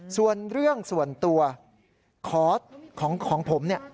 ส่วนเรื่องส่วนตัวคอร์สของผม